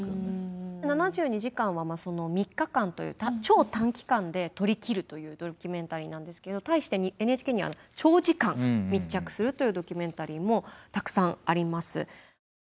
「７２時間」は３日間という超短期間で撮り切るというドキュメンタリーなんですけど対してＮＨＫには長時間密着するというドキュメンタリーもたくさんあります。